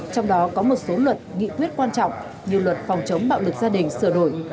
trong đó có một số luật nghị quyết quan trọng như luật phòng chống bạo lực gia đình sửa đổi